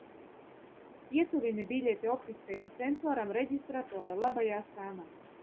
Pietuvini biļeti optiskajam sensoram reģistratora labajā sānā.